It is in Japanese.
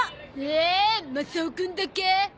えマサオくんだけ？